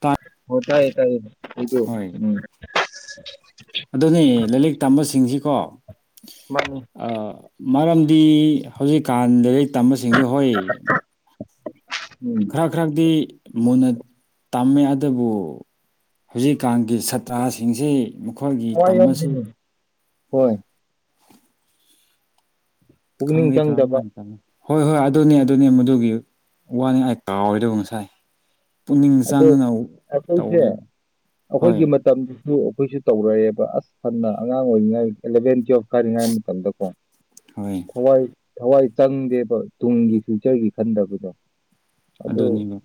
ꯇꯥꯏ ꯍ ꯇꯥꯢ ꯇꯥꯢ ꯍꯥꯢꯕꯤꯌꯣ ꯎꯝ ꯑꯗꯨꯅꯦ ꯂꯥꯢꯔꯤꯛ ꯇꯝꯕꯁꯤꯡꯁꯤꯀꯣ ꯃꯥꯅꯤ ꯃꯔꯝꯗꯤ ꯍꯧꯖꯤꯛꯀꯥꯟꯗꯒꯤ ꯇꯝꯕꯁꯤꯡꯁꯦ ꯍꯣꯢ ꯎꯝ ꯈꯔ ꯈꯔꯗꯤ ꯃꯨꯟꯅ ꯇꯝꯃꯦ ꯑꯗꯨꯕꯨ ꯍꯧꯖꯤꯛꯀꯥꯟꯒꯤ ꯁꯥꯇ꯭ꯔꯁꯤꯡꯁꯤ ꯃꯈꯣꯏꯒꯤ ꯇꯝꯕꯁꯤ [unintelligible] ꯍꯣꯢ ꯄꯨꯛꯅꯤꯡ ꯈꯪꯗ ꯆꯪꯗꯕ [unintelligible] ꯍꯣꯢ ꯍꯣꯢ ꯑꯗꯨꯅꯦ ꯑꯗꯨꯅꯤ ꯃꯗꯨꯒꯤ ꯋꯥꯅꯤ ꯑꯩ ꯀꯥꯎꯔꯣꯢꯗ ꯉꯁꯥꯢ ꯄꯨꯛꯅꯤꯡ ꯑꯗꯣ ꯆꯪꯉꯅ ꯑꯩꯈꯣꯏꯁꯦ ꯇꯧꯋꯦꯕ ꯍꯣꯏ ꯑꯩꯈꯣꯏꯒꯤ ꯃꯇꯝꯗꯨꯁꯨ ꯑꯩꯈꯣꯏꯁꯨ ꯇꯧꯔꯛꯑꯦꯕ ꯑꯁ ꯍꯟꯅ ꯑꯉꯥꯡ ꯑꯣꯏꯔꯤꯉꯥꯏ ꯑꯦꯂꯚꯦꯟ ꯇꯨꯌꯦꯜꯕ ꯀꯥꯔꯤꯉꯩ ꯃꯇꯝꯗꯀꯣ ꯍꯣꯏ ꯊꯋꯥꯏ ꯊꯋꯥꯏ ꯆꯪꯗꯦꯕ ꯇꯨꯡꯒꯤ ꯐ꯭ꯌꯨꯆꯔꯒꯤ ꯈꯟꯗꯕꯗꯣ ꯑꯗꯨ ꯑꯗꯨꯅꯤꯕ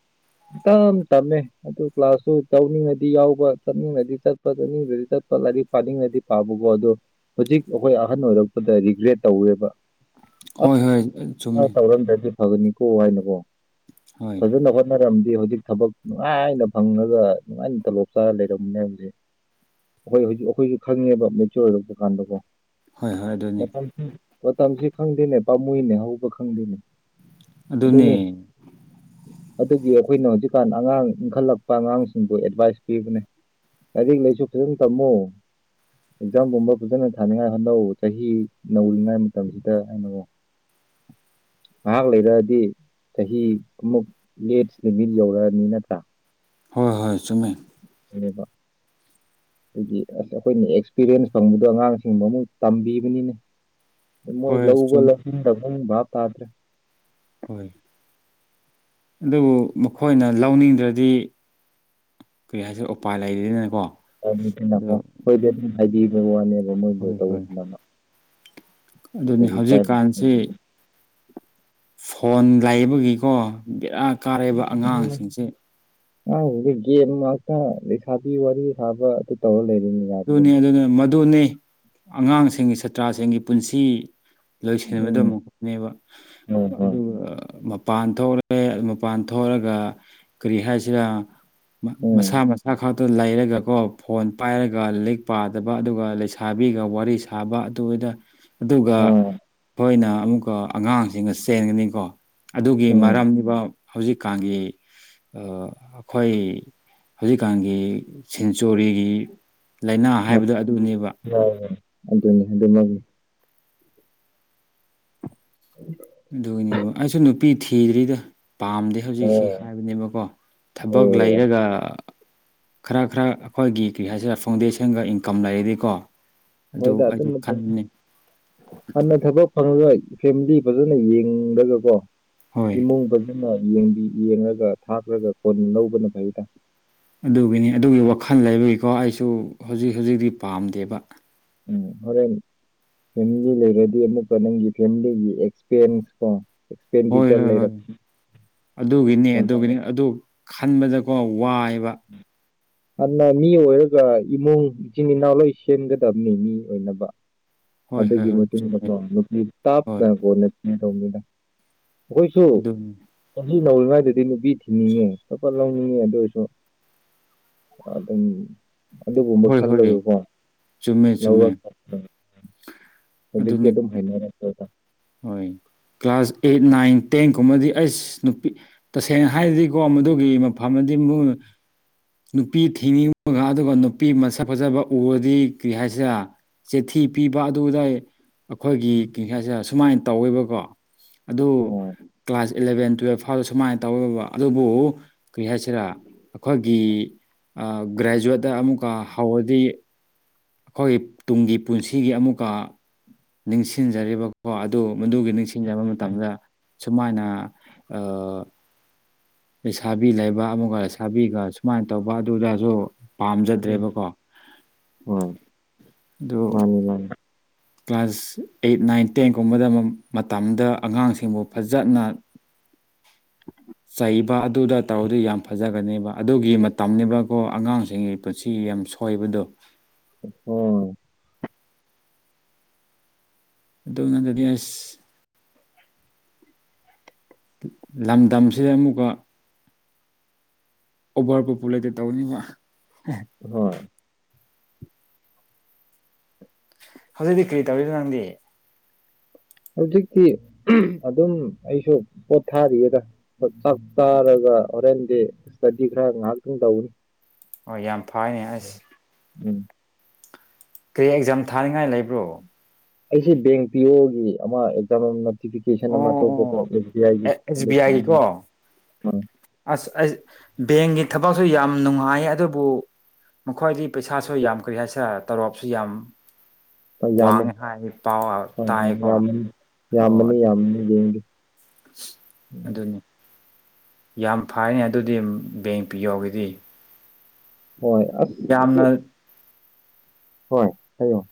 ꯇꯝ ꯇꯝꯃꯦ ꯑꯗꯨ ꯀ꯭ꯂꯥꯁꯁꯨꯨ ꯇꯧꯅꯤꯡꯉꯗꯤ ꯌꯥꯎꯕ ꯆꯠꯅꯤꯡꯉꯗꯤ ꯆꯠꯄ ꯆꯠꯅꯤꯡꯗ꯭ꯔꯗꯤ ꯆꯠꯄ ꯂꯥꯏꯔꯤꯛ ꯄꯥꯅꯤꯡꯉꯗꯤ ꯄꯥꯕꯀꯣ ꯑꯗꯣ ꯍꯧꯖꯤꯛ ꯑꯩꯈꯣꯏ ꯑꯍꯟ ꯑꯣꯏꯔꯛꯄꯗ ꯔꯤꯒ꯭ꯔꯦꯠ ꯇꯧꯋꯦꯕ ꯍꯣꯏ ꯑꯁ ꯍꯣꯏ ꯈꯔ ꯆꯨꯝꯃꯤ ꯇꯧꯔꯝꯗ꯭ꯔꯗꯤ ꯐꯒꯅꯤꯀꯣ ꯍꯥꯏꯅꯀꯣ ꯍꯣꯏ ꯐꯖꯅ ꯍꯣꯠꯅꯔꯝꯃꯗꯤ ꯍꯧꯖꯤꯛ ꯊꯕꯛ ꯅꯨꯡꯉꯥꯏꯅ ꯐꯪꯉꯒ ꯅꯨꯡꯉꯥꯏꯅ ꯇꯣꯂꯣꯞ ꯆꯥꯔꯒ ꯂꯩꯔꯝꯒꯅꯤ ꯍꯥꯏꯕꯖꯤ ꯑꯩꯈꯣꯏ ꯍꯧꯖꯤꯛ ꯑꯩꯈꯣꯏꯁꯨ ꯈꯪꯉꯦꯕ ꯃꯦꯆꯣꯔ ꯑꯣꯏꯔꯛꯄ ꯀꯥꯟꯗ ꯀꯣ ꯍꯣꯏ ꯍꯣꯏ ꯑꯗꯨꯅꯤ ꯎꯝ ꯃꯇꯝꯁꯤ ꯈꯪꯗꯦꯅꯦ ꯄꯥꯝꯃꯨꯏꯅꯦ ꯍꯧꯕ ꯈꯪꯗꯦꯅꯦ ꯑꯗꯨꯅꯤ ꯑꯗꯨꯒꯤ ꯑꯩꯈꯣꯏꯅ ꯍꯧꯖꯤꯛꯀꯥꯟ ꯑꯉꯥꯡ ꯏꯟꯈꯠꯂꯛꯄ ꯑꯉꯥꯡꯁꯤꯡꯕꯨ ꯑꯦꯗꯚꯥꯏꯁ ꯄꯤꯕꯅꯦ ꯂꯥꯏꯔꯤꯛ ꯂꯥꯏꯁꯨ ꯐꯖꯅ ꯇꯝꯃꯣ ꯑꯦꯛꯖꯥꯝꯒꯨꯝꯕ ꯐꯖꯅ ꯊꯥꯅꯤꯡꯉꯥꯏ ꯍꯣꯠꯅꯧ ꯆꯍꯤ ꯅꯧꯔꯤꯉꯩ ꯃꯇꯝꯁꯤꯗ ꯑꯩꯅ [unintelligible] ꯉꯥꯏꯍꯥꯛ ꯂꯩꯔꯛꯑꯗꯤ ꯆꯍꯤ ꯑꯃꯨꯛ ꯂꯦꯁ ꯂꯤꯃꯤꯠ ꯌꯧꯔꯛꯑꯅꯤ ꯃꯤ ꯅꯠꯇ꯭ꯔꯥ ꯍꯣꯏ ꯍꯣꯏ ꯆꯨꯝꯃꯦ ꯑꯗꯨꯅꯦꯕ ꯑꯗꯨꯒꯤ ꯑꯁ ꯑꯩꯈꯣꯏꯅ ꯑꯦꯛꯁꯄꯤꯔꯤꯌꯦꯟꯁ ꯐꯪꯕꯗꯣ ꯑꯉꯥꯡꯁꯤꯡꯗ ꯑꯃꯨꯛ ꯇꯝꯕꯤꯕꯅꯤꯅꯦ ꯃꯣꯏ ꯍꯣꯏ ꯂꯧꯕ ꯆꯨꯝꯃꯦ ꯂꯧꯅꯤꯡꯗꯕ ꯚꯥꯞ ꯇꯥꯗ꯭ꯔꯦ ꯍꯣꯏ ꯑꯗꯨꯕꯨ ꯃꯈꯣꯏꯅ ꯂꯧꯅꯤꯡꯗ꯭ꯔꯗꯤ ꯀꯔꯤꯁꯨ ꯎꯄꯥꯏ ꯂꯩꯔꯤꯅꯀꯣ ꯅꯀꯣ ꯑꯩꯈꯣꯏꯗꯤ ꯑꯗꯨꯝ ꯍꯥꯏꯕꯤꯕꯩ ꯋꯥꯅꯦꯕ ꯃꯣꯏ ꯀꯔꯤ ꯍꯣꯏ ꯍꯣꯏ ꯇꯧꯕꯗꯅ ꯑꯗꯨꯅꯤ ꯍꯧꯖꯤꯛꯀꯥꯟꯁꯤ ꯐꯣꯟ ꯂꯩꯕꯒꯤꯀꯣ ꯕꯦꯔꯥ ꯀꯥꯔꯦꯕ ꯑꯉꯥꯡꯁꯤꯡꯁꯦ ꯑ ꯍꯧꯖꯤꯛ ꯒꯦꯝ ꯉꯥꯛꯇ ꯂꯩꯁꯥꯕꯤ ꯋꯥꯔꯤ ꯁꯥꯕ ꯑꯗꯨ ꯇꯧꯔ ꯂꯩꯔꯦꯅꯦ ꯑꯗꯨꯅꯤ ꯌꯥꯗ꯭ꯔꯦꯅꯦ ꯑꯗꯨꯅꯤ ꯃꯗꯨꯅꯤ ꯑꯉꯥꯡꯁꯤꯡꯒꯤ ꯁꯥꯇ꯭ꯔꯁꯤꯡꯒꯤ ꯄꯨꯟꯁꯤ ꯎꯝ ꯂꯣꯏꯁꯟꯕꯗꯨꯃꯨꯛꯅꯦꯕ ꯍꯣꯏ ꯍꯣꯏ ꯑꯗꯨꯒ ꯃꯄꯥꯟ ꯊꯣꯛꯂꯛꯑꯦ ꯃꯄꯥꯟ ꯊꯣꯛꯑꯒ ꯀꯔꯤ ꯍꯥꯏꯁꯤꯔ ꯎꯝ ꯃꯁꯥ ꯃꯁꯥ ꯈꯛꯇ ꯂꯩꯔꯒꯀꯣ ꯐꯣꯟ ꯄꯥꯏꯔꯒ ꯑꯗꯨꯒ ꯂꯤꯛ ꯄꯥꯗꯕ ꯑꯗꯨꯒ ꯂꯩꯁꯥꯕꯤꯒ ꯋꯥꯔꯤ ꯁꯥꯕ ꯑꯗꯨꯗ ꯑꯗꯨꯒ ꯃꯣꯏꯅ ꯑꯃꯨꯛꯀ ꯑꯉꯥꯡꯁꯤꯡꯒ ꯆꯦꯟꯒꯅꯤꯀꯣ ꯑꯗꯨꯒꯤ ꯍꯣꯏ ꯎꯝ ꯃꯔꯝꯅꯤꯕ ꯍꯧꯖꯤꯛꯀꯥꯟꯒꯤ ꯑꯥ ꯑꯩꯈꯣꯏ ꯍꯧꯖꯤꯛꯀꯥꯟꯒꯤ ꯁꯦꯟꯆꯨꯔꯤꯒꯤ ꯂꯩꯅꯥ ꯍꯥꯏꯕꯗꯣ ꯑꯗꯨꯅꯦꯕ ꯌꯥꯏꯅꯦ ꯑꯗꯨꯅꯤ ꯑꯗꯨ ꯑꯗꯨꯃꯛꯅꯤ ꯑꯗꯨꯒꯤꯅꯦꯕꯨ ꯑꯩꯁꯨ ꯅꯨꯄꯤ ꯊꯤꯗ꯭ꯔꯤꯗ ꯄꯥꯝꯗꯦ ꯍꯧꯖꯤꯛꯁꯤ ꯑꯣ ꯍꯥꯏꯕꯅꯦꯕꯀꯣ ꯊꯕꯛ ꯑꯣ ꯂꯩꯔꯒ ꯈꯔ ꯈꯔ ꯑꯩꯈꯣꯏꯒꯤ ꯀꯔꯤ ꯍꯥꯏꯁꯤꯔ ꯐꯥꯎꯟꯗꯦꯁꯟꯒ ꯏꯟꯀꯝ ꯂꯩꯔꯗꯤꯀꯣ ꯑꯗꯨ ꯃꯣꯏꯗ ꯑꯗꯨꯝ ꯑꯩꯁꯨ ꯈꯟꯕꯅꯤ ꯍꯥꯟꯅ ꯊꯕꯛ ꯑꯗꯨꯅ ꯐꯦꯃꯤꯂꯤ ꯐꯖꯅ ꯌꯦꯡꯂꯒꯀꯣ ꯍꯣꯏ ꯏꯃꯨꯡ ꯐꯖ ꯑꯗꯨꯅ ꯌꯦꯡꯕꯤ ꯌꯦꯡꯉꯒ ꯊꯥꯈ꯭ꯔꯒ ꯀꯣꯟ ꯂꯧꯕꯅ ꯐꯩꯗ ꯑꯗꯨꯒꯤꯅꯤ ꯑꯗꯨꯒꯤ ꯋꯥꯈꯜ ꯂꯩꯕꯒꯤꯀꯣ ꯑꯩꯁꯨ ꯍꯨꯖꯤꯛ ꯍꯨꯖꯤꯛꯇꯤ ꯄꯥꯝꯗꯦꯕ꯫ ꯎꯝ ꯍꯣꯔꯦꯟ ꯐꯦꯃꯤꯂꯤ ꯂꯩꯔꯗꯤ ꯑꯃꯨꯛꯀ ꯅꯪꯒꯤ ꯐꯦꯃꯤꯂꯤꯒꯤ ꯑꯦꯛꯁꯄꯦꯟꯁ ꯀꯣ ꯍꯣꯏ ꯑꯦꯛꯁꯄꯦꯟꯗꯤꯆꯔ ꯍꯣꯏ ꯍꯣꯏ ꯂꯩꯔꯛ ꯑꯗꯨꯒꯤꯅꯦ ꯀꯣꯟꯅ ꯑꯗꯨꯒꯤꯅꯤ ꯑꯗꯨ ꯈꯟꯕꯗꯀꯣ ꯋꯥꯏꯕ꯫ [inaudible] ꯑꯅ ꯃꯤ ꯑꯣꯏꯔꯒ ꯏꯃꯨꯡ ꯏꯆꯤꯟ ꯏꯅꯥꯎ ꯂꯣꯏ ꯁꯦꯝꯒꯗꯕꯅꯤ ꯃꯤ ꯑꯣꯏꯅꯕ꯫ ꯍꯣꯏ ꯍꯣꯏ ꯑꯗꯨꯒꯤ ꯍꯣꯏ ꯆꯨꯝꯃꯦ ꯃꯇꯨꯡꯟꯅꯀꯣ ꯅꯨꯄꯤ ꯍꯣꯏ ꯇꯥꯞꯅ ꯀꯣꯟꯅ ꯊꯤꯗꯧꯅꯤꯗ꯫ ꯑꯈꯣꯏꯁꯨ ꯑꯗꯨꯅꯤ ꯆꯍꯤ ꯅꯧꯔꯤꯉꯩꯗꯗꯤ ꯅꯨꯄꯤ ꯊꯤꯡꯅꯤꯡꯉꯦ ꯐꯠꯐꯠ ꯂꯧꯅꯤꯡꯉꯦ ꯑꯗꯨ ꯑꯣꯏꯔꯁꯨ ꯑꯗꯨꯝ ꯑꯗꯨꯒꯨꯝꯕ ꯍꯣꯏ ꯍꯣꯏ ꯈꯜꯂꯒꯀꯣ ꯆꯨꯝꯃꯦ ꯆꯨꯝꯃꯦ ꯂꯧꯔ [unintelligible] ꯍꯨꯖꯤꯛꯇꯤ ꯑꯗꯨꯅꯤ ꯑꯗꯨꯝ ꯍꯥꯏꯅꯔꯛꯇꯗ ꯍꯣꯏ ꯀ꯭ꯂꯥꯁ ꯑꯩꯠ ꯅꯥꯏꯟ ꯇꯦꯟ ꯀꯨꯝꯕꯗꯤ ꯑꯩꯁ ꯅꯨꯄꯤ ꯇꯁꯦꯡꯅ ꯍꯥꯏꯔꯗꯤꯀꯣ ꯃꯗꯨꯒꯤ ꯃꯐꯝꯗꯤ ꯃꯣꯏ ꯅꯨꯄꯤ ꯊꯤꯡꯅꯤꯡꯕꯒ ꯑꯗꯨꯒ ꯅꯨꯄꯤ ꯃꯁꯛ ꯐꯖꯕ ꯎꯔꯗꯤ ꯀ꯭ꯔꯤ ꯍꯥꯏꯁꯤꯔ ꯆꯦꯊꯤ ꯄꯤꯕ ꯑꯗꯨꯗꯥꯏ ꯑꯈꯣꯏꯒꯤ ꯀ꯭ꯔꯤ ꯍꯥꯏꯁꯤꯔ ꯁꯨꯃꯥꯏ ꯇꯧꯋꯦꯕꯀꯣ ꯑꯗꯨ ꯍꯣꯏ ꯀ꯭ꯂꯥꯁ ꯏꯂꯚꯦꯟ ꯇꯨꯌꯦꯜꯐ ꯐꯥꯎꯗ ꯁꯨꯃꯥꯏ ꯇꯧꯋꯦꯕ ꯑꯗꯨꯕꯨ ꯀ꯭ꯔꯤ ꯍꯥꯏꯁꯤꯔꯥ ꯑꯈꯣꯏꯒꯤ ꯑꯥ ꯒ꯭ꯔꯦꯖꯨꯋꯦꯠꯇ ꯑꯃꯨꯛꯀ ꯍꯧꯔꯗꯤ ꯈꯣꯏꯒꯤ ꯇꯨꯡꯒꯤ ꯄꯨꯟꯁꯤꯒꯤ ꯑꯃꯨꯛꯀ ꯅꯤꯡꯁꯤꯡꯖꯔꯤꯕꯀꯣ ꯑꯗꯨ ꯃꯗꯨꯒꯤ ꯅꯤꯡꯁꯤꯡꯖꯕ ꯃꯇꯝꯗ ꯁꯨꯃꯥꯏꯅ ꯑꯥ ꯂꯩꯁꯥꯕꯤ ꯂꯩꯕ ꯑꯃꯨꯛꯒ ꯂꯩꯁꯥꯕꯤꯒ ꯁꯨꯃꯥꯏꯅ ꯇꯧꯕ ꯑꯗꯨꯗꯁꯨ ꯎꯝ ꯄꯥꯝꯖꯗ꯭ꯔꯦꯕꯀꯣ ꯍꯣꯏ ꯑꯗꯨ ꯃꯥꯅꯤ ꯃꯥꯅꯤ ꯀ꯭ꯂꯥꯁ ꯑꯩꯠ ꯅꯥꯏꯟ ꯇꯦꯟꯒꯨꯝꯕꯗ ꯃꯇꯝꯗ ꯑꯉꯥꯡꯁꯤꯡꯕꯨ ꯐꯖꯅ [inaudible] ꯆꯩꯕ ꯑꯗꯨꯗ ꯇꯧꯔꯗꯤ ꯌꯥꯝ ꯐꯖꯒꯅꯦꯕ ꯑꯗꯨꯒꯤ ꯃꯇꯝꯅꯤꯕꯀꯣ ꯑꯉꯥꯡꯁꯤꯡꯒꯤ ꯄꯨꯟꯁꯤ ꯌꯥꯝ ꯁꯨ ꯍꯣꯏꯕꯗꯣ ꯍꯣꯏ ꯑꯗꯨ ꯅꯠꯗꯗꯤ ꯑꯁ ꯂꯝꯗꯝꯁꯤꯗ ꯑꯃꯨꯛꯀ ꯑꯣꯚꯔ ꯄꯣꯄꯨꯂꯦꯇꯦꯠ ꯇꯧꯅꯤꯕ ꯍꯣꯏ ꯍꯧꯖꯤꯛꯇꯤ ꯀ꯭ꯔꯤ ꯇꯧꯔꯤꯅꯣ ꯅꯪꯗꯤ? ꯍꯧꯖꯤꯛꯇꯤ ꯑꯗꯨꯝ ꯑꯩꯁꯨ ꯄꯣꯠ ꯊꯥꯔꯤꯌꯦꯗ꯫ ꯆꯥꯛ ꯆꯥꯔꯒ ꯍꯣꯔꯦꯟꯗꯤ ꯏꯁꯇꯗꯤ ꯈꯔ ꯉꯍꯥꯛꯇꯪ ꯇꯧꯅꯤ꯫ ꯑꯣ ꯌꯥꯝ ꯐꯥꯏꯅꯦ ꯑꯁ ꯎꯝ ꯀꯔꯤ ꯑꯦꯛꯖꯥꯝ ꯊꯥꯅꯤꯡꯉꯥꯏ ꯂꯩꯕ꯭ꯔꯣ? ꯑꯩꯁꯤ ꯕꯦꯡ ꯄꯤ ꯑꯣꯒꯤ ꯑꯃ ꯑꯦꯛꯖꯥꯝ ꯑꯃ ꯇꯤꯐꯦꯀꯦꯁꯟ ꯑꯣ ꯑꯃ ꯑꯣ ꯊꯣꯛꯄꯗꯣ ꯑꯦꯁ ꯕꯤ ꯑꯥꯏꯒꯤ ꯑꯦꯁ ꯕꯤ ꯑꯥꯏꯒꯤꯀꯣ [unintelligible] ꯑꯁ ꯑꯩꯁ ꯕꯦꯡꯒꯤ ꯊꯕꯛꯁꯨ ꯌꯥꯝ ꯅꯨꯡꯉꯥꯏ ꯑꯗꯨꯕꯨ ꯃꯈꯣꯏꯗꯤ ꯄꯩꯁꯥꯁꯨ ꯌꯥꯝ ꯀ꯭ꯔꯤ ꯍꯥꯏꯁꯤꯔ ꯇꯧꯔꯣꯞꯁꯨ ꯌꯥꯝ ꯍꯣꯏ ꯌꯥꯝꯃꯦ ꯋꯥꯡꯉꯦ ꯍꯥꯏ ꯄꯥꯎ ꯍꯣꯏ ꯇꯥꯏꯀꯣ ꯑꯣ ꯑꯗꯨ ꯕꯦꯡꯒꯤ ꯑꯗꯨꯅꯤ ꯌꯥꯝ ꯐꯥꯏꯅꯦ ꯑꯗꯨꯗꯤ ꯕꯦꯡ ꯄꯤ ꯑꯣ ꯒꯤꯗꯤ꯫ ꯍꯣꯏ ꯑꯁ ꯑꯗꯨ, ꯌꯥꯝꯅ ꯍꯣꯏ ꯍꯥꯏꯌꯣ꯫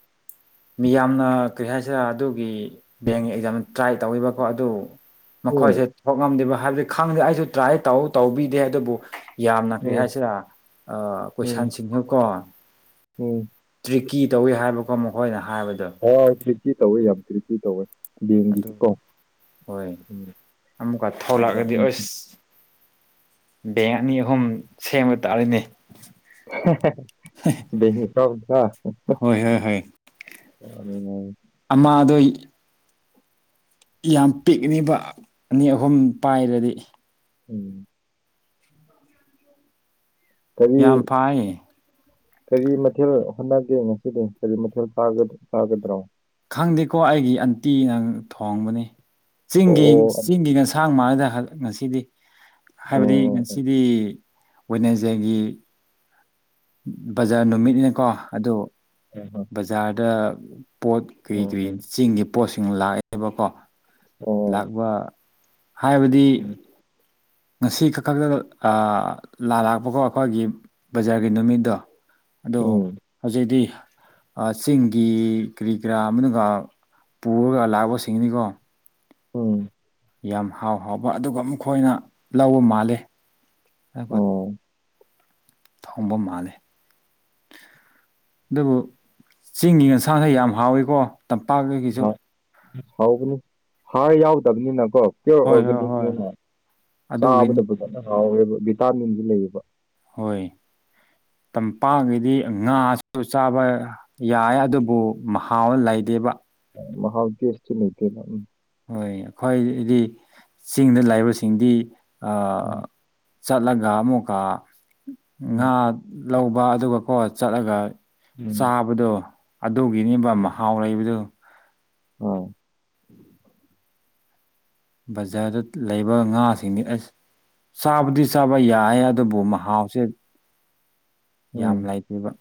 ꯃꯤꯌꯥꯝꯅ ꯀꯔꯤ ꯍꯥꯏꯁꯤꯔ ꯑꯗꯨꯒꯤ ꯕꯦꯡ ꯑꯦꯛꯖꯥꯝ ꯇ꯭ꯔꯥꯏ ꯇꯧꯕꯀꯣ ꯑꯗꯨ, ꯃꯈꯣꯏꯁꯦ ꯎꯝ ꯊꯣꯛꯉꯝꯗꯦꯕ ꯍꯥꯏꯕꯗꯤ ꯈꯪꯗꯦ ꯑꯩꯁꯨ ꯇ꯭ꯔꯥꯏ ꯇꯧ ꯇꯧꯕꯤꯗꯦ ꯑꯗꯨꯕꯨ, ꯌꯥꯝꯅ ꯀꯔꯤ ꯎꯝ ꯍꯥꯏꯁꯤꯔꯥ ꯑꯥ ꯎꯝ ꯀꯣꯏꯁꯟꯁꯤꯡꯅꯀꯣ, ꯎꯝ ꯇ꯭ꯔꯤꯛꯀꯤ ꯇꯧꯋꯦ ꯍꯥꯏꯕꯀꯣ ꯃꯈꯣꯏꯅ ꯍꯥꯏꯕꯗꯣ꯫ ꯍꯣꯏ ꯇ꯭ꯔꯤꯀꯤ ꯇꯧꯋꯦ ꯌꯥꯝ ꯇ꯭ꯔꯤꯀꯤ ꯇꯧꯋꯦ꯫ ꯑꯗꯨ ꯕꯦꯡꯒꯤꯁꯨꯀꯣ ꯍꯣꯏ ꯑꯃꯨꯛꯀꯥ ꯊꯣꯂꯛꯑꯗꯤ ꯎꯝ ꯑꯁ꯫ ꯕꯦꯡ ꯑꯅꯤ ꯑꯍꯨꯝ ꯁꯦꯝꯕ ꯇꯥꯔꯦꯅꯦ꯫ [unintelligible] ꯍꯣꯏ ꯍꯣꯏ [unintelligible] ꯑꯃꯗꯣꯏ ꯌꯥꯝ ꯄꯤꯛꯅꯤꯕ ꯑꯅꯤ ꯑꯍꯨꯝ ꯄꯥꯏꯔꯗꯤ꯫ ꯎꯝ ꯀꯔꯤ? ꯌꯥꯝ ꯐꯥꯏꯌꯦ ꯀꯔꯤ ꯃꯊꯦꯜ ꯍꯣꯠꯅꯒꯦ ꯉꯁꯤꯗꯤ, ꯀꯔꯤ ꯃꯊꯦꯜ ꯆꯥꯒꯗ꯭ꯔꯣ? ꯈꯪꯗꯦꯀꯣ ꯑꯩꯒꯤ ꯑꯟꯇꯤꯅ ꯊꯣꯡꯕꯅꯤ ꯆꯤꯡꯒꯤ ꯑꯣ ꯆꯤꯡꯒꯤ ꯉꯁꯥꯏ ꯊꯥꯡ ꯃꯥꯥꯡꯗ ꯉꯁꯤꯗꯤ ꯍꯥꯏꯕꯗꯤ ꯑꯣ ꯉꯁꯤꯗꯤ ꯋꯦꯠꯅꯦꯖꯗꯦꯒꯤ꯫ ꯕꯖꯥꯔ ꯅꯨꯃꯤꯠꯅꯤꯅꯥꯀꯣ ꯑꯗꯨ ꯎꯝ ꯍꯣꯏ꯫ ꯕꯖꯥꯔꯗ ꯄꯣꯠ ꯀ꯭ꯔꯤ ꯀ꯭ꯔꯤ ꯆꯤꯡꯒꯤ ꯄꯣꯠꯁꯤꯡ ꯂꯥꯛꯑꯦꯕꯀꯣ꯫ ꯂꯥꯛꯕ ꯍꯥꯏꯕꯗꯤ, ꯉꯁꯤ ꯈꯛ ꯈꯛꯇ ꯂꯥ ꯂꯥꯛꯄꯀꯣ ꯑꯩꯈꯣꯏꯒꯤ ꯕꯖꯥꯔꯒꯤ ꯅꯨꯃꯤꯠꯇꯣ꯫ ꯑꯗꯣ ꯎꯝ ꯍꯧꯖꯤꯛꯇꯤ꯫ ꯑꯥ ꯆꯤꯡꯒꯤ ꯀ꯭ꯔꯤ ꯀꯔꯥ ꯑꯃꯒ ꯄꯨꯔꯒ ꯂꯥꯛꯄ ꯁꯤꯡꯅꯤꯀꯣ꯫ ꯎꯝ ꯌꯥꯝ ꯍꯥꯎ ꯍꯥꯎꯕ ꯑꯗꯨꯒ ꯃꯈꯣꯏꯅ ꯂꯧꯕ ꯃꯥꯂꯦ꯫ ꯑꯣ꯫ ꯊꯣꯡꯕ ꯃꯥꯜꯂꯦ꯫ ꯑꯗꯨꯕꯨ ꯆꯤꯡꯒꯤ ꯌꯦꯟꯁꯥꯡꯁꯦ ꯌꯥꯝ ꯍꯥꯎꯋꯤꯀꯣ ꯇꯝꯄꯥꯛꯇꯒꯤꯁꯨ꯫ ꯍꯧꯒꯅꯤ ꯍꯥꯔ ꯌꯥꯎꯗꯕꯅꯤꯅꯀꯣ꯫ ꯄꯤꯌꯣꯔ ꯍꯣꯏ ꯍꯣꯏ ꯍꯣꯏ ꯑꯣꯔꯒꯥꯅꯤꯛꯅꯦꯅ ꯆꯥꯕꯗ ꯑꯗꯨꯒꯤꯅꯤ ꯐꯖꯅ ꯍꯥꯎꯋꯦꯕ ꯚꯤꯇꯥꯃꯤꯟꯁꯨ ꯂꯩꯌꯦꯕ꯫ ꯍꯣꯏ ꯇꯝꯄꯥꯛꯀꯤꯗꯤ ꯉꯥꯁꯨ ꯆꯥꯕ ꯌꯥꯏ ꯑꯗꯨꯕꯨ ꯃꯍꯥꯎ ꯂꯩꯗꯦꯕ꯫ ꯃꯍꯥꯎꯗꯤ ꯇꯦꯁꯇꯤ ꯂꯩꯇꯦꯕ꯫ ꯍꯣꯏ ꯈ꯭ꯋꯥꯏꯗꯤ ꯆꯤꯡꯗ ꯂꯩꯕꯁꯤꯡꯗꯤ ꯑꯥ ꯆꯠꯂꯒ ꯑꯃꯨꯛꯀ ꯉꯥ ꯎꯝ ꯂꯧꯕ ꯑꯗꯨꯒꯀꯣ ꯆꯠꯂꯒ, ꯎꯝ ꯆꯥꯕꯗꯣ ꯑꯗꯨꯒꯤꯅꯦꯕ ꯃꯍꯥꯎ ꯂꯩꯕꯗꯨ꯫ ꯍꯣꯏ꯫ [inaudible] ꯕꯖꯥꯔꯗ ꯂꯩꯕ ꯉꯥꯁꯤꯡꯗꯤ ꯑꯁ꯫ ꯆꯥꯕꯗꯤ ꯆꯥꯕ ꯌꯥꯏ ꯑꯗꯨꯕꯨ ꯃꯍꯥꯎꯁꯦ ꯎꯝ ꯌꯥꯝ ꯂꯩꯇꯦꯕ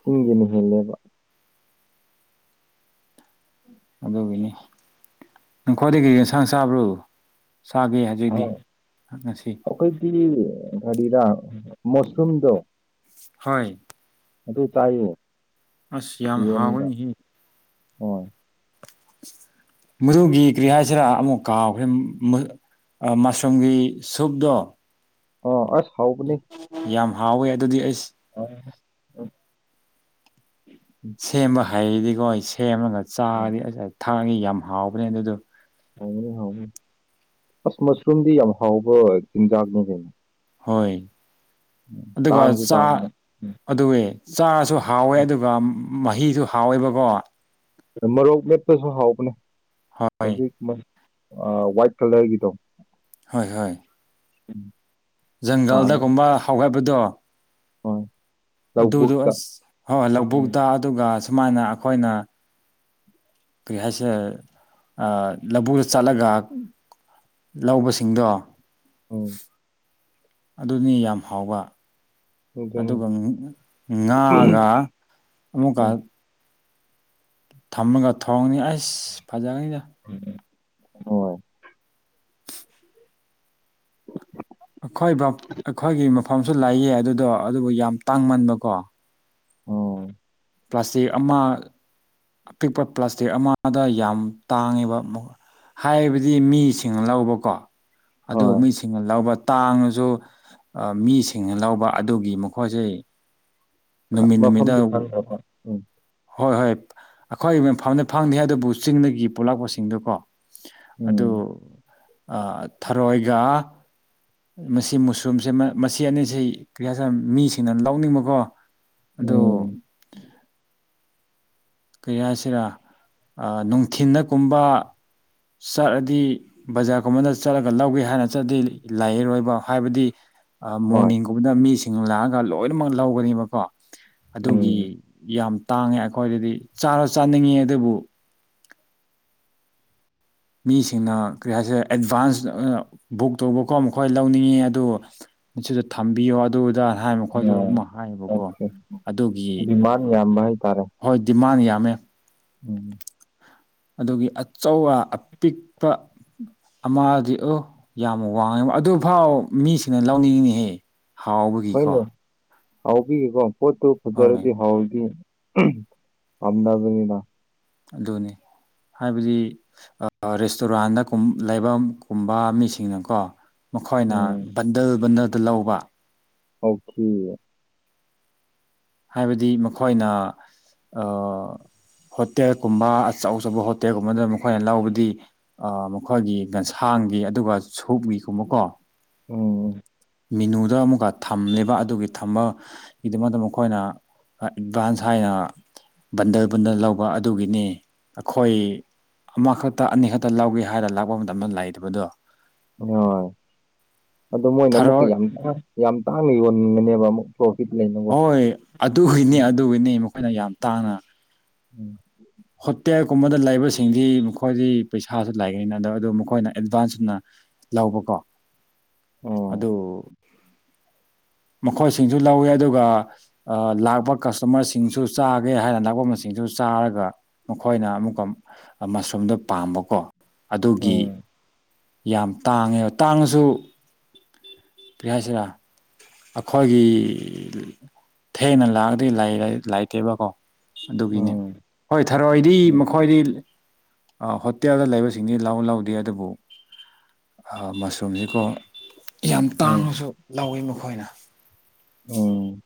ꯆꯤꯡꯒꯤꯅ ꯍꯦꯜꯂꯦꯕ꯫ ꯑꯗꯨꯒꯤꯅꯤ ꯅꯈꯣꯏꯗꯤ ꯀꯔꯤ ꯌꯦꯟꯁꯥꯡ ꯆꯥꯕ꯭ꯔꯨ ꯆꯥꯒꯦ ꯍꯥꯏ ꯑ ꯑꯈꯣꯏꯗꯤ ꯀꯔꯤꯔ ꯃꯣꯁꯔꯨꯝꯗꯣ꯫ ꯍꯣꯏ ꯑꯗꯨ ꯇꯥꯏꯌꯣ ꯑꯁ ꯌꯥꯝ ꯍꯥꯎꯔꯅꯤꯍꯦ ꯑꯣꯏ ꯃꯨꯔꯨꯒꯤ ꯀ꯭ꯔꯤ ꯍꯥꯏꯁꯤꯔ ꯑꯃꯨꯛ ꯀꯥꯎꯈ꯭ꯔꯦ ꯑ ꯃꯁꯔꯨꯝꯒꯤ ꯁꯨꯞꯇꯣ ꯑꯣ ꯑꯁ ꯍꯥꯎꯕꯅꯤ ꯌꯥꯝ ꯍꯥꯎꯋꯦ ꯑꯗꯨꯗꯤ ꯑꯩꯁ ꯑꯣ [unintelligible] ꯁꯦꯝꯕ ꯍꯩꯔꯗꯤꯀꯣ ꯑꯩ ꯁꯦꯝꯃꯒ ꯆꯥꯔꯗꯤ ꯑꯁ ꯊꯥꯡꯗꯤ ꯌꯥꯝ ꯍꯥꯎꯕꯅꯦ ꯑꯗꯨꯗꯣ ꯍꯥꯎꯕꯅꯤ ꯍꯥꯎꯕꯅꯤ ꯑꯁ ꯃꯁꯔꯨꯝꯗꯤ ꯌꯥꯝ ꯍꯥꯎꯕ ꯆꯤꯟꯖꯥꯛꯅꯤ ꯀꯩꯅꯣ ꯍꯣꯏ ꯑꯗꯨꯒ ꯇꯥꯡꯁꯨ ꯆꯥ ꯇꯥꯡꯉꯤ ꯑꯗꯨꯋꯦ ꯆꯥꯔꯁꯨ ꯍꯥꯎꯋꯦ ꯑꯗꯨꯒ ꯃꯍꯤꯗꯨ ꯍꯥꯎꯋꯦꯕꯀꯣ ꯃꯔꫭꯛ ꯃꯦꯠꯄꯁꯨ ꯍꯥꯎꯕꯅꯦ ꯍꯣꯏ ꯑꯗꯨꯏ ꯃꯁ ꯑ ꯋꯥꯏꯠ ꯀꯂꯔꯒꯤꯗꯣ ꯍꯣꯏ ꯍꯣꯏ ꯇꯟꯅꯣ ꯖꯪꯒꯜꯗꯒꯨꯝꯕ ꯍꯧꯒꯠꯄꯗꯣ ꯑꯣꯏ ꯑꯗꯨꯗꯣ ꯑꯁ ꯍꯣ ꯎꯝ ꯂꯧꯕꯨꯛꯇ ꯑꯗꯨꯒ ꯁꯨꯃꯥꯏꯅ ꯑꯩꯈꯣꯏꯅ ꯀꯔꯤ ꯍꯥꯏꯁꯤꯔ ꯑ ꯂꯧꯕꯨꯗ ꯆꯠꯂꯒ ꯂꯧꯕꯁꯤꯡꯗꯣ ꯑꯧ ꯑꯗꯨꯅꯤ ꯌꯥꯝ ꯍꯥꯎꯕ ꯑꯗꯨꯅꯤ ꯑꯗꯨꯒ ꯉꯥꯒ ꯑꯃꯨꯛꯀ ꯊꯝꯃꯒ ꯊꯣꯡꯉꯤ ꯑꯩꯁ ꯐꯖꯕꯅꯤꯗ ꯑꯣꯏ [unintelligible] ꯑꯩꯈꯣꯏ ꯕꯞ ꯑꯩꯈꯣꯏꯒꯤ ꯃꯐꯝꯁꯨ ꯂꯩꯌꯦ ꯑꯗꯨꯗꯣ ꯑꯗꯨꯕꯨ ꯌꯥꯝ ꯇꯥꯡꯃꯟꯕꯀꯣ ꯑꯣ ꯄ꯭ꯂꯥꯁꯇꯤꯔ ꯑꯃ ꯑꯄꯤꯛꯄ ꯄ꯭ꯂꯥꯁꯇꯤꯔ ꯑꯃꯗ ꯌꯥꯝ ꯇꯥꯡꯉꯤꯕ ꯃꯣ ꯍꯥꯏꯕꯗꯤ ꯃꯤꯁꯤꯡꯅ ꯂꯧꯕꯀꯣ ꯑꯗꯨ ꯍꯣꯏ ꯃꯤꯁꯤꯡꯅ ꯂꯧꯕ ꯇꯥꯡꯉꯖꯨ ꯑ ꯃꯤꯁꯤꯡꯅ ꯂꯧꯕ ꯑꯗꯨꯒꯤ ꯃꯈꯣꯏꯁꯦ ꯈ ꯅꯨꯃꯤꯠ ꯅꯨꯃꯤꯠꯇ ꯃꯐꯝꯗꯤ ꯈꯟꯗꯕ ꯎꯝ ꯍꯣꯏ ꯍꯣꯏ ꯑꯩꯈꯣꯏ ꯃꯐꯝꯗ ꯐꯪꯅꯤ ꯑꯗꯨꯕꯨ ꯆꯤꯡꯗꯒꯤ ꯄꯨꯂꯛꯄꯁꯤꯡꯗꯨ ꯀꯣ ꯑꯗꯨ ꯎꯝ ꯑ ꯊꯔꯣꯏꯒ ꯃꯁꯤ ꯃꯨꯁꯔꯨꯝꯁꯦ ꯃꯁꯤ ꯑꯅꯤꯁꯤ ꯀꯔꯤ ꯍꯥꯏꯁꯤꯔꯥ ꯃꯤꯁꯤꯡꯅ ꯂꯧꯅꯤꯡꯕꯀꯣ ꯑꯗꯣ ꯎꯝ [unintelligible] ꯀꯩ ꯍꯥꯏꯁꯤꯔꯥ ꯑ ꯅꯨꯡꯊꯤꯟꯗ ꯀꯨꯝꯕ ꯆꯠꯔꯗꯤ ꯕꯖꯥꯔꯒꯨꯝꯕꯗ ꯆꯠꯂꯒ ꯂꯧꯒꯦ ꯍꯥꯏꯅ ꯆꯠꯗꯤ ꯂꯩꯔꯣꯏꯕ ꯍꯥꯏꯕꯗꯤ ꯑ ꯍꯣꯏ ꯃꯣꯔꯅꯤꯡꯒꯨꯝꯕꯗ ꯃꯤꯁꯤꯡ ꯂꯥꯛꯑꯒ ꯂꯣꯏꯅꯃꯛ ꯂꯧꯒꯅꯦꯕꯀꯣ ꯑꯗꯨꯒꯤ ꯎꯝ ꯌꯥꯝ ꯇꯥꯡꯉꯦ ꯑꯩꯈꯣꯏꯗꯗꯤ ꯆꯥꯔꯣ ꯆꯥꯅꯤꯡꯉꯤ ꯑꯗꯨꯕꯨ ꯃꯤꯁꯤꯡꯅ ꯀꯔꯤ ꯍꯥꯏꯁꯤꯔ ꯑꯦꯗꯚꯥꯟꯁ ꯑ ꯕꯨꯛ ꯇꯧꯕꯀꯣ ꯃꯈꯣꯏ ꯂꯧꯅꯤꯡꯉꯤ ꯑꯗꯨ ꯁꯤꯗ ꯊꯝꯕꯤꯌꯣ ꯑꯗꯨꯗ ꯍꯥꯏ ꯃꯈꯣꯏꯖꯨ ꯑꯃ ꯍꯥꯏꯌꯦꯕꯀꯣ ꯑꯗꯨꯒꯤ ꯃꯥꯟ ꯌꯥꯝꯕ ꯍꯥꯏꯇꯥꯔꯦ ꯍꯣꯏ ꯗꯤꯃꯥꯟ ꯌꯥꯝꯃꯦ ꯎꯝ ꯑꯗꯨꯒꯤ ꯑꯆꯧꯕ ꯑꯄꯤꯛꯄ ꯑꯃꯥꯗꯤ ꯑꯣ ꯌꯥꯝ ꯋꯥꯡꯉꯦꯕ ꯑꯗꯨꯐꯥꯎ ꯃꯤꯁꯤꯡꯅ ꯂꯧꯅꯤꯡꯉꯤꯍꯦ ꯍꯣꯏꯅꯦ ꯍꯥꯎꯕꯤꯒꯤꯀꯣ ꯄꯣꯠꯇꯨ ꯍꯣꯏ ꯐꯖꯔꯗꯤ ꯍꯥꯎꯔꯗꯤ ꯄꯥꯝꯅꯕꯅꯤꯗ ꯑꯗꯨꯅꯤ ꯍꯥꯏꯕꯗꯤ ꯑꯥ ꯔꯦꯁꯇꯨꯔꯥꯟꯗ ꯀꯨꯝ ꯂꯩꯕꯝ ꯀꯨꯝꯕ ꯃꯤꯁꯤꯡꯅꯀꯣ ꯃꯈꯣꯏꯅ ꯎꯝ ꯕꯟꯗꯜ ꯕꯟꯗꯜꯗ ꯂꯧꯕ ꯍꯥꯎꯈꯤ ꯍꯥꯏꯕꯗꯤ ꯃꯈꯣꯏꯅ [unintelligible] ꯍꯣꯠ ꯇꯦꯜꯀꯨꯝꯕ ꯑꯆꯧ ꯑꯆꯧꯕ ꯍꯣꯇꯦꯜꯒꯨꯝꯕꯗ ꯃꯈꯣꯏꯅ ꯂꯧꯕꯗꯤ ꯃꯈꯣꯏꯒꯤ ꯒꯟꯁꯥꯡꯒꯤ ꯑꯗꯨꯒ ꯁꯨꯞꯒꯤꯒꯨꯝꯕꯀꯣ ꯑꯣ ꯃꯤꯅꯨꯗ ꯑꯃꯨꯛꯀ ꯊꯝꯂꯦꯕ ꯑꯗꯨꯒꯤ ꯊꯝꯕꯒꯤꯗꯃꯛꯇ ꯃꯈꯣꯢ ꯈꯣꯏꯅ ꯑꯦꯗꯚꯥꯟꯁ ꯍꯥꯏꯅ ꯕꯟꯗꯜ ꯕꯨꯟꯗꯜ ꯂꯧꯕ ꯑꯗꯨꯒꯤꯅꯦ ꯑꯈꯣꯏ ꯑꯃꯈꯛꯇ ꯑꯅꯤꯈꯛꯇ ꯂꯧꯒꯦ ꯍꯥꯏꯔ ꯂꯥꯛꯄ ꯃꯇꯝꯗ ꯂꯥꯢꯇꯕꯗꯣ ꯍꯣꯢ ꯑꯗꯨ ꯃꯣꯏꯅ ꯑꯃꯨꯛꯀ ꯊꯔꯣꯏ ꯌꯥꯝ ꯇꯥꯡ ꯌꯥꯝ ꯇꯥꯡꯅ ꯌꯣꯟꯒꯅꯦꯕ ꯑꯃꯨꯛ ꯄꯔꯣꯐꯤꯠ ꯂꯩꯅ ꯍꯣꯏ ꯑꯗꯨꯒꯤꯅꯦ ꯑꯗꯨꯒꯤꯅꯤ ꯃꯈꯣꯏꯅ ꯌꯥꯝ ꯇꯥꯡꯅ [inaudible] ꯍꯣꯇꯦꯜꯒꯨꯝꯕꯗ ꯂꯩꯕꯁꯤꯡꯗꯤ ꯃꯈꯣꯏꯗꯤ ꯄꯩꯁꯥꯁꯨ ꯂꯥꯢꯒꯅꯤꯅ ꯑꯗ ꯑꯗꯨ ꯃꯈꯣꯏꯅ ꯑꯦꯗꯚꯥꯟꯁꯅ ꯂꯧꯕꯀꯣ ꯑꯣ ꯑꯗꯨ ꯃꯈꯣꯏꯁꯤꯡꯁꯨ ꯂꯧꯋꯦ ꯑꯗꯨꯒ ꯂꯥꯛꯄ ꯀꯁꯇꯃꯔꯁꯤꯡꯁꯨ ꯆꯥꯒꯦ ꯍꯥꯏꯅ ꯂꯥꯛꯄꯁꯤꯡꯁꯨ ꯆꯥꯔꯒ ꯃꯈꯣꯏꯅ ꯑꯃꯨꯛꯀ [unintelligible] ꯃꯁꯔꯨꯝꯗꯣ ꯄꯥꯝꯕꯀꯣ ꯑꯗꯨꯒꯤ ꯎꯝ ꯌꯥꯝ ꯇꯥꯡꯉꯦꯕ ꯇꯥꯡꯉꯁꯨ ꯀ꯭ꯔꯤ ꯍꯥꯏꯁꯤꯔꯥ ꯑꯈꯣꯏꯒꯤ ꯊꯦꯡꯅ ꯂꯥꯛꯑꯗꯤ ꯂꯩꯔꯦ ꯂꯩꯇꯦꯕꯀꯣ ꯑꯗꯨꯒꯤꯅꯦ ꯎꯝ ꯍꯣꯏ ꯊꯔꯣꯏꯗꯤ ꯃꯈꯣꯏꯗꯤ ꯍꯣꯇꯦꯜꯗ ꯂꯩꯕꯁꯤꯡꯗꯤ ꯂꯧ ꯂꯧꯎꯗꯦ ꯑꯗꯨꯕꯨ ꯃꯁꯔꯨꯝꯗꯤꯀꯣ ꯌꯥꯝ ꯎꯝ ꯇꯥꯡꯉꯁꯨ ꯂꯧꯋꯤ ꯃꯈꯣꯏꯅ ꯎꯝ